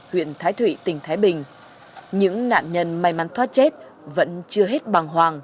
huyện thái thụy tỉnh thái bình những nạn nhân may mắn thoát chết vẫn chưa hết bằng hoàng